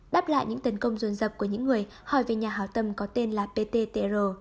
đáp lại những tấn công ruồn dập của những người hỏi về nhà hảo tâm có tên là pttr